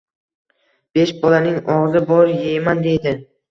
Besh bolaning og‘zi bor: yeyman, deydi